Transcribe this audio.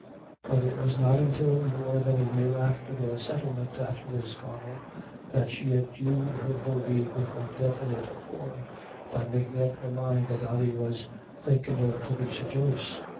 But it was not until more than a year after their settlement at Lisconnel that she endued her bogey with one definite form, by making up her mind that Ody "was thinkin' of Theresa Joyce."